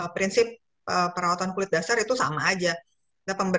prinsip perawatan kulit dasar itu sama aja